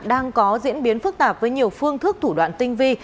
đang có diễn biến phức tạp với nhiều phương thức thủ đoạn tinh vi